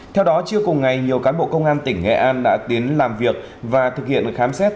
theo đó trưa cùng ngày nhiều cán bộ công an tỉnh nghệ an đã tiến làm việc và thực hiện khám xét